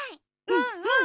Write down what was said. うんうん！